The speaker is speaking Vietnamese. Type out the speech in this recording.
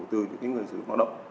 từ những người giữ lao động